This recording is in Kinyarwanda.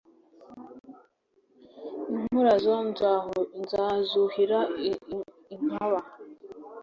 inkurazo nkazuhira inkaba